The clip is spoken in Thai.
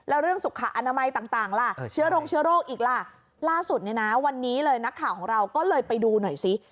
แล้วเรื่องสุขอนามัยต่างล่ะเชื้อโรงเชื้อโรคอีกล่ะล่าสุดเนี่ยนะวันนี้เลยนักข่าวของเราก็เลยไปดูหน่อยซิ